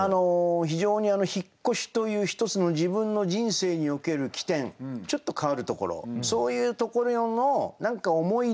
非常に引越しという一つの自分の人生における起点ちょっと変わるところそういうところの思い出